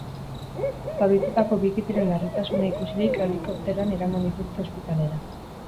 Zaurituetako bi kideren larritasuna ikusirik helikopteroan eraman dituzte ospitalera.